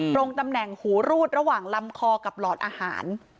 ตรงตำแหน่งหูรูดระหว่างลำคอกับหลอดอาหาร